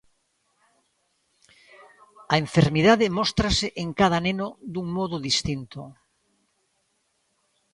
A enfermidade móstrase en cada neno dun modo distinto.